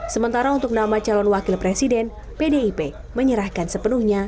sementara untuk nama calon wakil presiden pdip menyerahkan sepenuhnya